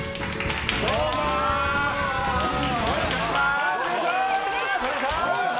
お願いします！